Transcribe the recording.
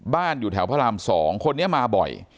อยู่แถวพระราม๒คนนี้มาบ่อย